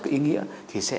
có ý nghĩa thì sẽ